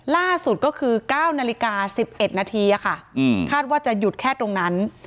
ล่าสุดก็คือ๙นาฬิกา๑๑นาทีคาดว่าจะหยุดแค่ตรงนั้น